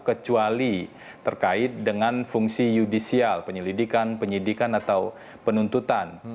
kecuali terkait dengan fungsi yudisial penyelidikan penyidikan atau penuntutan